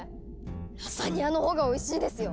⁉ラザニアの方がおいしいですよ！